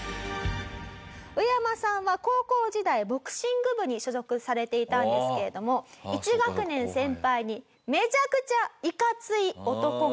ウエヤマさんは高校時代ボクシング部に所属されていたんですけれども１学年先輩にめちゃくちゃいかつい男がいました。